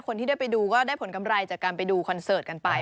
คนที่ได้ไปดูก็ได้ผลกำไรจากการไปดูคอนเสิร์ตกันไป